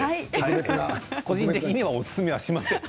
個人的にはおすすめはしません。